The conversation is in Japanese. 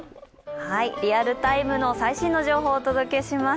リアルタイムの最新の情報をお届けします。